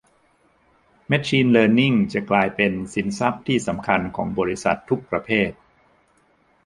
แมชชีนเลิร์นนิ่งจะกลายเป็นสินทรัพย์ที่สำคัญของบริษัททุกประเภท